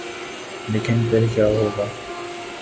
لیکن پھر کیا ہو گا؟